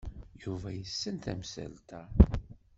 Yuba yessen tamsalt-a.